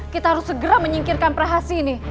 kita harus segera menyingkirkan prihasi ini